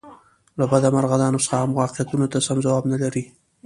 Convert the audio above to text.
له بده مرغه دا نسخه هم واقعیتونو ته سم ځواب نه لري.